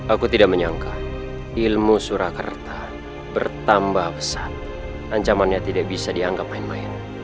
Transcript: aku tidak menyangka ilmu surakarta bertambah pesat ancamannya tidak bisa dianggap main main